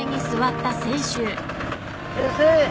先生